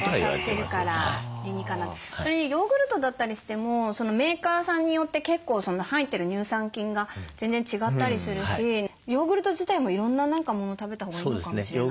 それにヨーグルトだったりしてもメーカーさんによって結構入ってる乳酸菌が全然違ったりするしヨーグルト自体もいろんなもの食べたほうがいいのかもしれないですね。